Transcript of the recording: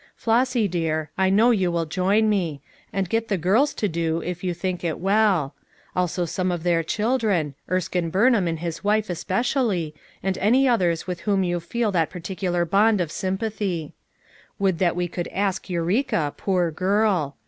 Flossy, dear, I know you will join me; and get the girls to do if you think it well ; also some of their children, Erskine Burnluun and his wife especially, and any others with whom you feel that peculiar bond of sympathy. Would that Ave could ask Eureka, poor girl!